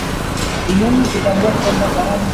Khimji nae aliuza msitu huu kwa Asar